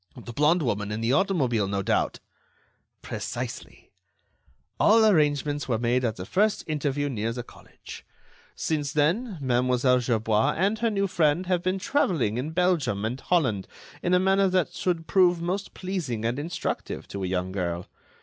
"The blonde woman in the automobile, no doubt." "Precisely. All arrangements were made at the first interview near the college. Since then, Mlle. Gerbois and her new friend have been travelling in Belgium and Holland in a manner that should prove most pleasing and instructive to a young girl.